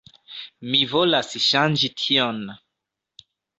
Mi volas ŝanĝi tion.